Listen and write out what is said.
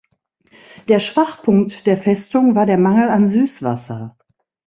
Der Schwachpunkt der Festung war der Mangel an Süßwasser.